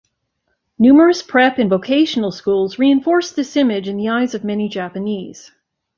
Numerous prep and vocational schools reinforce this image in the eyes of many Japanese.